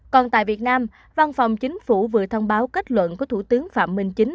còn tại việt nam văn phòng chính phủ vừa thông báo kết luận của thủ tướng phạm minh chính